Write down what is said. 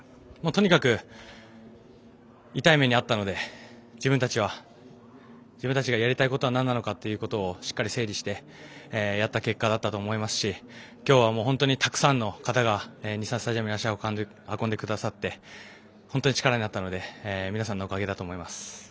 とにかく痛い目にあったので自分たちがやりたいことはなんなのかっていうことをしっかり整理してやった結果だったと思いますし今日は本当にたくさんの方が日産スタジアムに足を運んでくださって本当に力になったので皆さんのおかげだと思います。